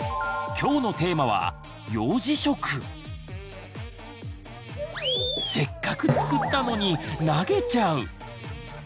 今日のテーマはせっかく作ったのに投げちゃう！